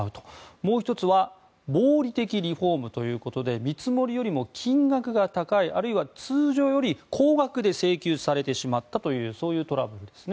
もう１つは暴利的リフォームということで見積よりも金額が高いあるいは通常より高額で請求されてしまったというそういうトラブルですね。